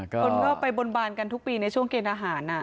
คนก็ไปบนบานกันทุกปีในช่วงเกณฑ์ทหาร